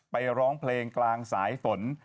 ร้องเพลงกลางสายฝน